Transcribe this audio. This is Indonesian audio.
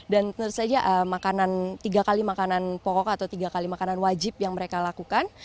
dan tentu saja makanan tiga kali makanan pokok atau tiga kali makanan wajib yang mereka lakukan